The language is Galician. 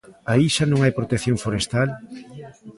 ¿Aí xa non hai protección forestal?